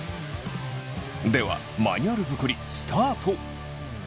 ではマニュアル作りスタート！